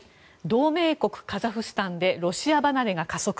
同盟国カザフスタンでロシア離れが加速。